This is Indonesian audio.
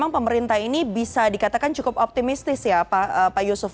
pemerintah ini bisa dikatakan cukup optimistis ya pak yusuf